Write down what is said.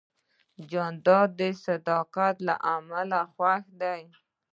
جانداد د صداقت له امله خوښ دی.